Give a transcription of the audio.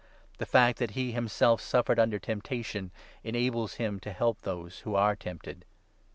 The fact that he himself suffered under temptation enables 18 him to help those who are tempted.